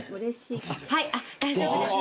はい大丈夫です。